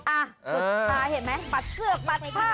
อ่ะสุดท้ายเห็นไหมปัดเชือกปัดใส่ผ้า